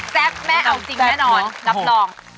แม่เอาจริงแน่นอนรับรอง